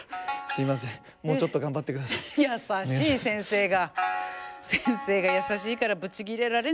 やさしい先生が。